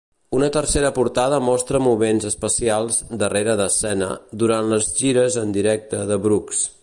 Una tercera portada mostra moments especials "darrere d'escena" durant les gires en directe de Brooks.